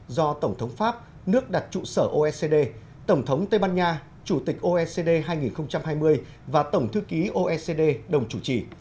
do tổng thống pháp nước đặt trụ sở oecd tổng thống tây ban nha chủ tịch oecd hai nghìn hai mươi và tổng thư ký oecd đồng chủ trì